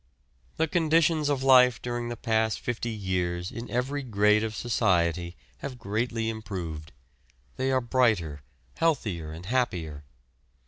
The conditions of life during the past fifty years in every grade of society have greatly improved; they are brighter, healthier and happier.